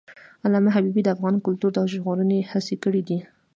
علامه حبیبي د افغان کلتور د ژغورنې هڅې کړی دي.